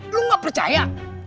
lu gak percaya